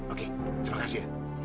oke terima kasih ya